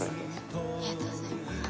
ありがとうございます。